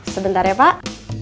sebentar ya pak